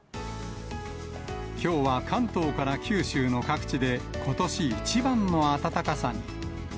きょうは関東から九州の各地で、ことし一番の暖かさに。